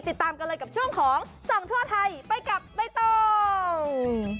ติดตามกันเลยกับช่วงของส่องทั่วไทยไปกับใบตอง